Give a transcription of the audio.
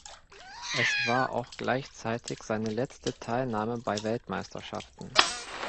Es war auch gleichzeitig seine letzte Teilnahme bei Weltmeisterschaften.